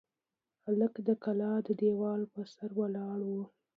هلک د کلا د دېوال پر سر ولاړ و.